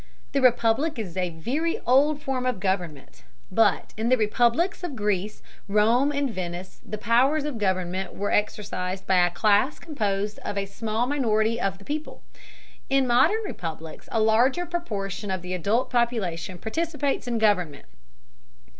The republic is a very old form of government, but in the republics of Greece, Rome and Venice the powers of government were exercised by a class composed of a small minority of the people. In modern republics a larger proportion of the adult population participates in government.